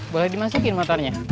boleh dimasukin motarnya